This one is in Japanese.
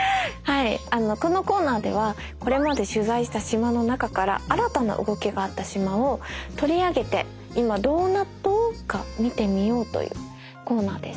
このコーナーではこれまで取材した島の中から新たな動きがあった島を取り上げて「今どうなっ島？」か見てみようというコーナーです。